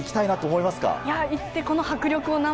行って、この迫力を。